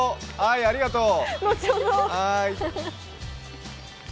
ありがとう。